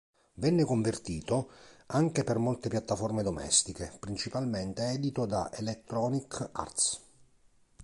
Venne convertito anche per molte piattaforme domestiche, principalmente edito da Electronic Arts.